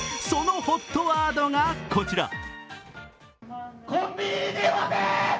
そのＨＯＴワードがこちら。